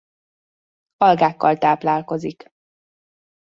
Algákkal táplálkozik.